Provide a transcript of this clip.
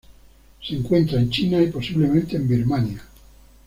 Se encuentra en China y, posiblemente, en Birmania.